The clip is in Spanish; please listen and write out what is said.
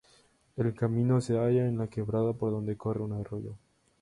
El camino se halla en la quebrada por donde corre un arroyo.